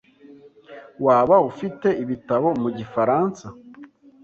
Waba ufite ibitabo mu gifaransa?